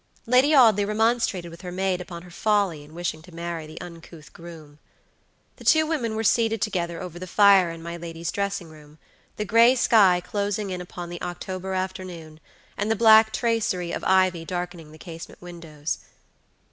Lady Audley remonstrated with her maid upon her folly in wishing to marry the uncouth groom. The two women were seated together over the fire in my lady's dressing room, the gray sky closing in upon the October afternoon, and the black tracery of ivy darkening the casement windows.